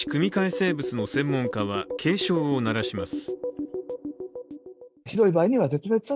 生物の専門家は警鐘を鳴らします。